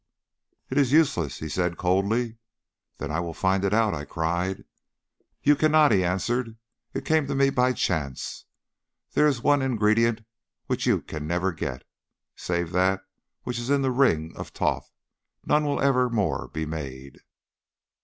"'It is useless,' he said coldly. "'Then I will find it out,' I cried. "'You cannot,' he answered; 'it came to me by chance. There is one ingredient which you can never get. Save that which is in the ring of Thoth, none will ever more be made.